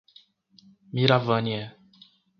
Miravânia